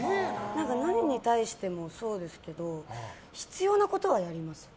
何に対してもそうですけど必要なことはやります。